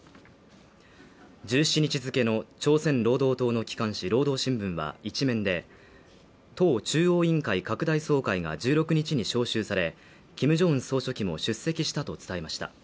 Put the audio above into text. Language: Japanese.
１７日付の朝鮮労働党の機関紙「労働新聞」は１面で党中央委員会拡大総会が１６日に召集され、金正恩総書記も出席したと伝えました。